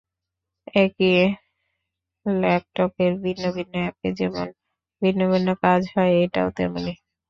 একই ল্যাপটপের ভিন্ন ভিন্ন অ্যাপে যেমন ভিন্ন ভিন্ন কাজ হয়, এটাও তেমনই।